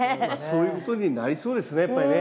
そういうことになりそうですねやっぱりね。